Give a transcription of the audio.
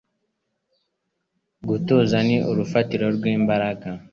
Gutuza ni urufatiro rw'imbaraga.”